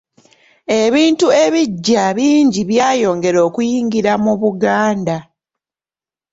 Ebintu ebiggya bingi byayongera okuyingira mu Buganda.